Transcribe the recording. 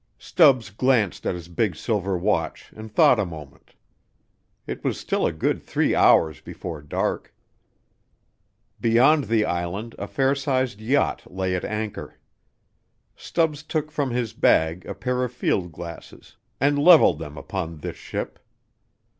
Stubbs glanced at his big silver watch and thought a moment. It was still a good three hours before dark. Beyond the island a fair sized yacht lay at anchor. Stubbs took from his bag a pair of field glasses and leveled them upon this ship.